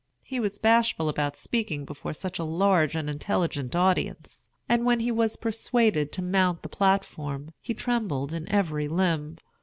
He was bashful about speaking before such a large and intelligent audience; and when he was persuaded to mount the platform he trembled in every limb.